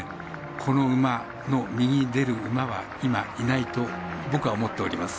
この馬の右に出る馬は今、いないと僕は思っております。